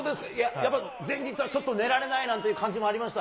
やっぱ前日はちょっと寝られないっていう感じもありました？